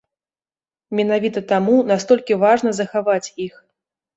Менавіта таму настолькі важна захаваць іх.